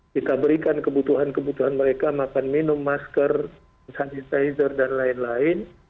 kita berikan kebutuhan kebutuhan mereka makan minum masker hand sanitizer dan lain lain